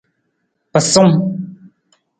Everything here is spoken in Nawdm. Pasung.